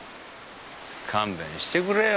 勘弁してくれよ。